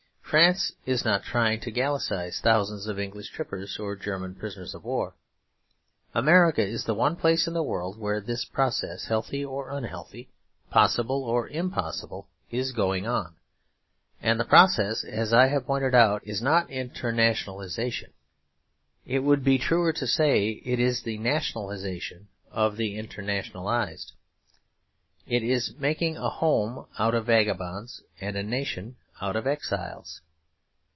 France is not trying to Gallicise thousands of English trippers or German prisoners of war. America is the one place in the world where this process, healthy or unhealthy, possible or impossible, is going on. And the process, as I have pointed out, is not internationalisation. It would be truer to say it is the nationalisation of the internationalised. It is making a home out of vagabonds and a nation out of exiles.